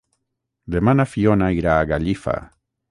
Demà na Fiona irà a Gallifa.